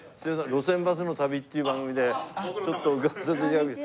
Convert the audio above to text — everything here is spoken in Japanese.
『路線バスの旅』っていう番組でちょっと伺わせて頂いて。